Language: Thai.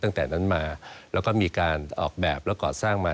ตั้งแต่นั้นมาแล้วก็มีการออกแบบแล้วก่อสร้างมา